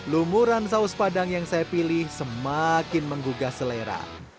lumuran saus padang yang saya pilih semakin menggugah selera